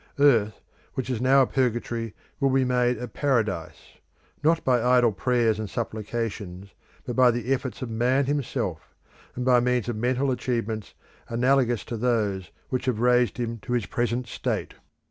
Earth, which is now a purgatory, will be made a paradise, not by idle prayers and supplications, but by the efforts of man himself, and by means of mental achievements analogous to those which have raised him to his present state.